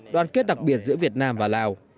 đoàn kết đặc biệt giữa việt nam và lào